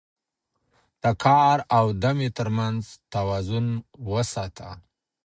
د کار او دمې ترمنځ توازن وساته